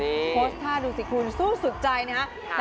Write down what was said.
โพสตาร์ดูสิคุณซูมสุดใจนะฮะ